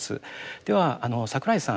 ではあの櫻井さん